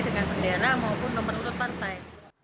dengan bendera maupun nomor urut partai